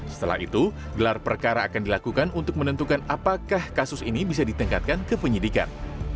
setelah itu gelar perkara akan dilakukan untuk menentukan apakah kasus ini bisa ditingkatkan ke penyidikan